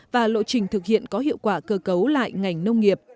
và lộ trình thực hiện có hiệu quả cơ cấu lại ngành nông nghiệp